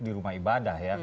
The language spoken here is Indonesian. di rumah ibadah ya